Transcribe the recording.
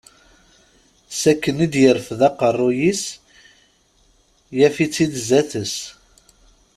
S akken i d-yerfed aqerruy-is yaf-itt-id sdat-s.